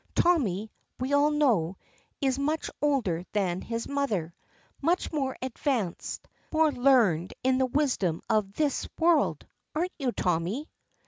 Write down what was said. "Tommy, we all know, is much older than his mother. Much more advanced; more learned in the wisdom of this world; aren't you, Tommy?"